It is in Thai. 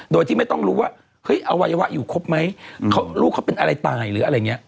โดยที่ไม่ต้องรู้ว่าเฮ้ยอวัยวะอยู่ครบไหมลูกเขาเป็นอะไรตายหรืออะไรอย่างนี้